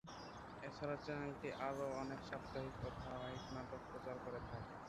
এছাড়া চ্যানেলটি আরো অনেক সাপ্তাহিক ও ধারাবাহিক নাটক প্রচার করে থাকে।